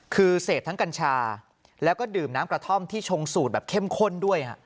คือเสพทั้งกัญชาแล้วก็ดื่มน้ำกระท่อมที่ชงสูตรแบบเข้มข้นด้วย